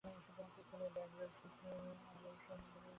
সুতরাং কুকুর ও ব্যাঘ্রের সুখের আদর্শ সম্পূর্ণরূপে দেহগত।